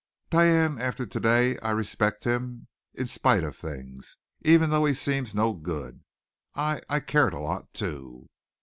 "Diane, after to day I respect him in in spite of things even though he seems no good. I I cared a lot, too."